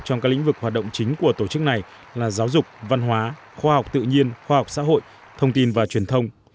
trong các lĩnh vực hoạt động chính của tổ chức này là giáo dục văn hóa khoa học tự nhiên khoa học xã hội thông tin và truyền thông